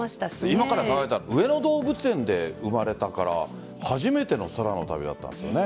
今考えたら上野動物園で生まれたから初めての空の旅だったんですよね。